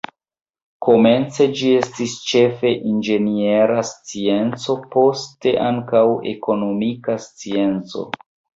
Komence ĝi estis ĉefe inĝeniera scienco, poste ankaŭ ekonomika scienco.